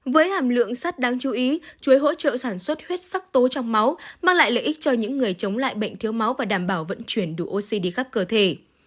với hàm lượng sắt đáng chú ý chuối hỗ trợ sản xuất huyết sắc tố trong máu mang lại lợi ích cho những người chống lại bệnh thiếu máu và đảm bảo vận chuyển đủ oxy đi khắp cơ thể